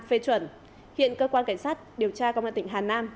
phê chuẩn hiện cơ quan cảnh sát điều tra công an tỉnh hà nam